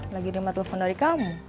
lagi di rumah telepon dari kamu